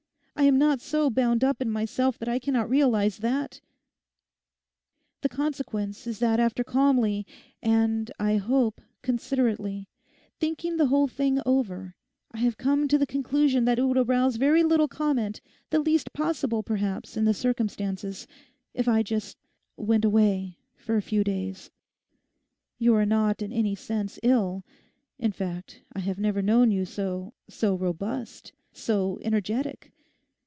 I am not so bound up in myself that I cannot realise that. The consequence is that after calmly—and I hope considerately—thinking the whole thing over, I have come to the conclusion that it would arouse very little comment, the least possible perhaps in the circumstances, if I just went away for a few days. You are not in any sense ill. In fact, I have never known you so—so robust, so energetic.